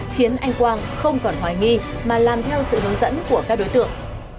khiến anh quang không còn hoài nghi mà làm theo sự hướng dẫn của các đối tượng